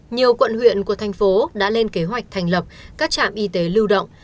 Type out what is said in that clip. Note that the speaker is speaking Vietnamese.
nhiều quận huyện của thành phố đã lên kế hoạch thành lập các trạm y tế lưu động